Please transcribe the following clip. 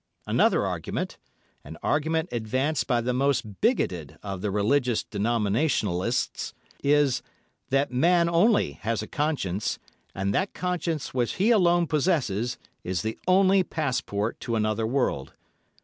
Another argument, an argument advanced by the most bigotted of the religious denominationalists, is "that man only has a conscience, and that conscience which he alone possesses is the only passport to another world.